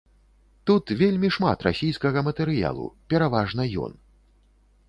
Тут вельмі шмат расійскага матэрыялу, пераважна ён.